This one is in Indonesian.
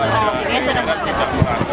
ini ya seneng banget